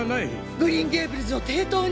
グリーン・ゲイブルズを抵当に！？